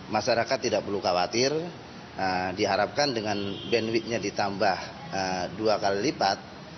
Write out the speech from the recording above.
masyarakat tidak perlu khawatir diharapkan dengan bandwidth nya ditambah dua kali lipat